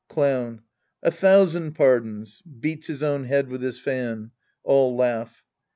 Clown. A thousand pardons. {Beats his own head with his fan. All laugh.)